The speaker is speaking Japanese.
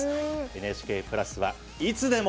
ＮＨＫプラスは「いつでも」